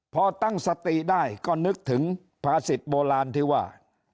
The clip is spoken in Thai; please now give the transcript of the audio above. พอตั้งสติได้ก็นึกถึงภาษิตโบราณที่ว่า